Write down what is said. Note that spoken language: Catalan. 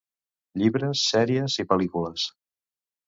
Llibres, sèries i pel·lícules.